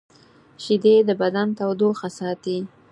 شیدې د بدن تودوخه ساتي